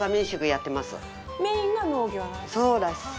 メインは農業なんですか？